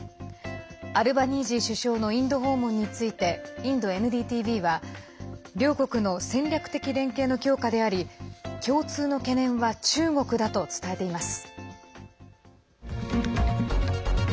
アルバニージー首相のインド訪問についてインドＮＤＴＶは両国の戦略的連携の強化であり共通の懸念は中国だと伝えています。